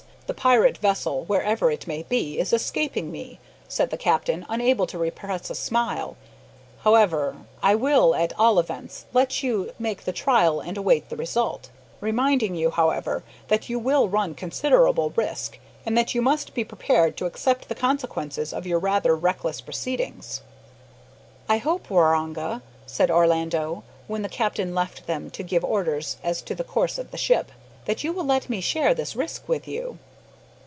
The pirate vessel, where ever it may be, is escaping me," said the captain, unable to repress a smile. "However, I will at all events let you make the trial and await the result; reminding you, however, that you will run considerable risk, and that you must be prepared to accept the consequences of your rather reckless proceedings." "I hope, Waroonga," said Orlando, when the captain left them to give orders as to the course of the ship, "that you will let me share this risk with you?"